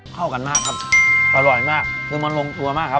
เข้ากันมากครับอร่อยมากคือมันลงตัวมากครับ